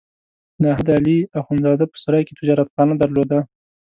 د احمد علي اخوندزاده په سرای کې تجارتخانه درلوده.